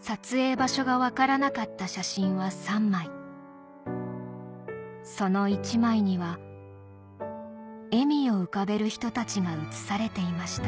撮影場所が分からなかった写真は３枚その１枚には笑みを浮かべる人たちが写されていました